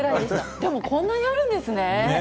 でも、こんなにあるんですね。